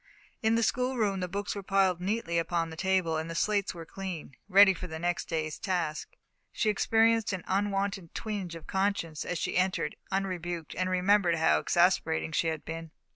In the schoolroom the books were piled neatly upon the table, and the slates were clean ready for the next day's task. She experienced an unwonted twinge of conscience as she entered, unrebuked, and remembered how exasperating she had been.